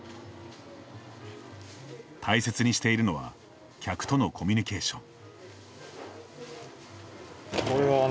大切にしているのは客とのコミュニケーション。